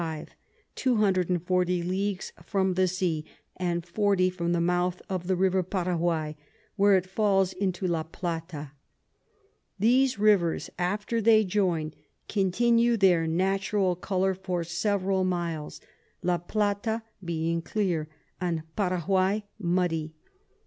240 Leagues from the Sea, and 40 from the Mouth of the River Paraguay, where it falls into La Plata, These Rivers after they join continue their natural Colour for several miles, La Plata being clear, and Paraguay muddy.